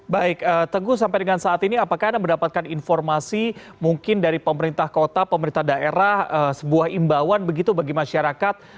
baik tenggu sampai dengan saat ini apakah anda mendapatkan informasi mungkin dari pemerintah kota pemerintah daerah sebuah imbauan begitu bagi masyarakat